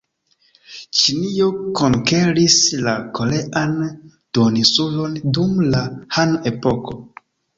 Ĉinio konkeris la korean duoninsulon dum la Han-epoko.